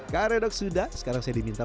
karedok sudah sekarang saya diminta